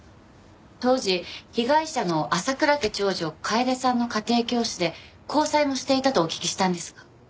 当時被害者の浅倉家長女楓さんの家庭教師で交際もしていたとお聞きしたんですが。